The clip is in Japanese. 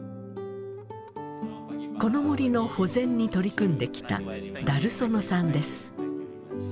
この森の保全に取り組んできたダルソノさんです。